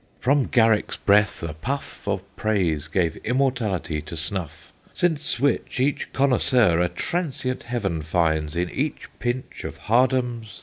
From Garrick's breath a puff Of praise gave immortality to snuff; Since which each connoisseur a transient heaven Finds in each pinch of Hardham's 37.